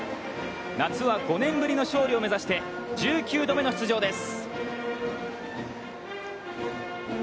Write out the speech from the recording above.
夏は５年ぶりの勝利を目指して、１９度目の出場です。